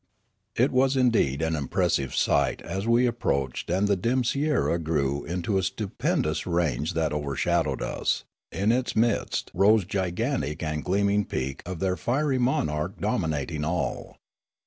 It was indeed an impressive sight as we approached and the dim sierra grew into a stupendous range that overshadowed us ; in its midst rose gigantic the gleam ing peak of their fiery monarch dominating all.